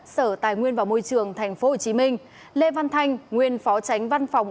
sở tài nguyên và môi trường tp hcm lê văn thanh nguyên phó tránh văn phòng